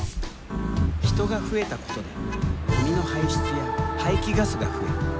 人が増えたことでゴミの排出や排気ガスが増え環境は悪化。